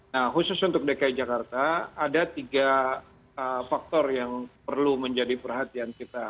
nah khusus untuk dki jakarta ada tiga faktor yang perlu menjadi perhatian kita